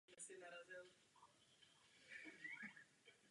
A co takové půjčky přinášejí evropské ekonomice?